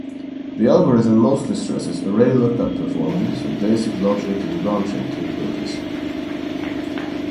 The algorithm mostly stresses array lookup performance and basic logic and branching capabilities.